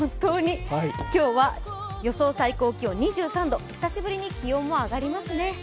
今日は予想最高気温２３度、今日は気温も上がりそうですね。